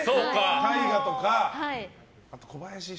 大河とか。